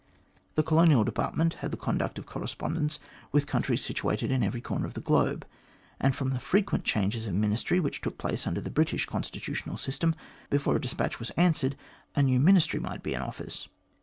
The Colonial Department had the conduct of correspondence with countries situated in every quarter of the globe, and from the frequent changes of Ministry which took place under the British constitutional system, before a despatch was answered, a new Ministry might be in office.